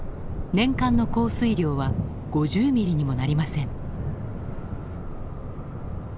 年間の降水量は５０ミリにもなりません。